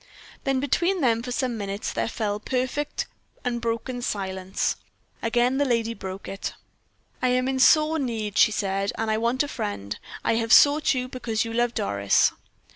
Then between them for some minutes there fell perfect, unbroken silence. Again the lady broke it. "I am in sore need," she said, "and I want a friend. I have sought you because you love Doris."